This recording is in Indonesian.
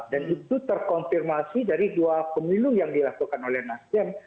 dan itu terkonfirmasi dari dua pemilu yang dilakukan oleh nasdem